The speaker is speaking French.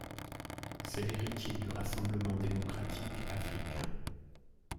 C'et l'héritier du Rassemblement démocratique africain.